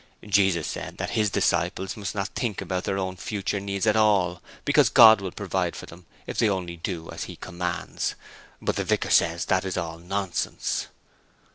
Jesus said that His disciples must not think about their own future needs at all, because God will provide for them if they only do as He commands. But the vicar says that is all nonsense.